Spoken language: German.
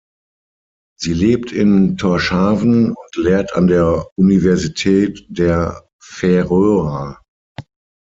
Sie lebt in Tórshavn und lehrt an der Universität der Färöer.